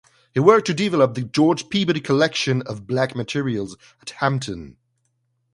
He worked to develop the George Peabody Collection of Black materials at Hampton.